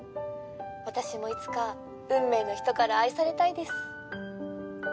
私もいつか運命の人から愛されたいです。